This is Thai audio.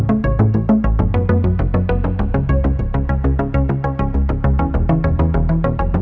อื้อหือ